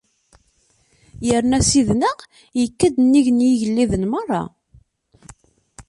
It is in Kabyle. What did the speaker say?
Yerna Ssid-nneɣ ikka-d nnig n yigelliden merra.